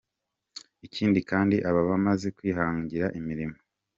Ikindi kandi aba bamaze kwihangira imirimo".